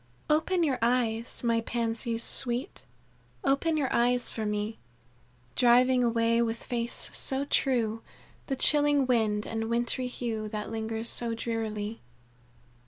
"Open your eyes, my Pansies sweet, Open your eyes for me, Driving away with face so true, The chilling wind and wintry hue, That lingers so drearily.